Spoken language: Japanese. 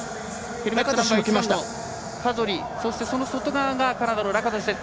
カゾリ、そしてその外側がカナダのラカトシュです。